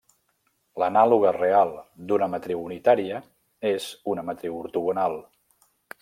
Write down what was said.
L'anàloga real d'una matriu unitària és una matriu ortogonal.